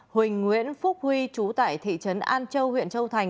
huỳnh nguyễn phúc huy chú tại thị trấn an châu huyện châu thành